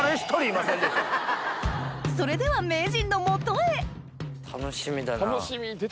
それでは名人の元へ楽しみ。